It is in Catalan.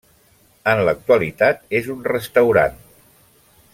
En l'actualitat és un restaurant.